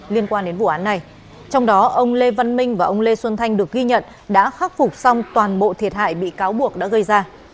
liên quan đến vụ án này trong đó ông lê văn minh và ông lê xuân thanh được ghi nhận đã khắc phục xong toàn bộ thiệt hại bị cáo buộc đã gây ra